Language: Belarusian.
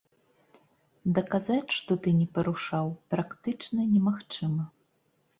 Даказаць, што ты не парушаў, практычна немагчыма.